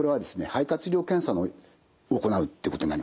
肺活量検査を行うっていうことになります。